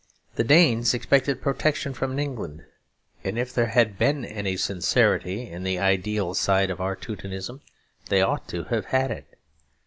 The Danes expected protection from England; and if there had been any sincerity in the ideal side of our Teutonism they ought to have had it.